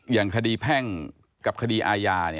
อย่างคดีแพ่งกับคดีอาญา